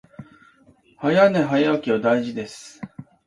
早寝早起きは大事です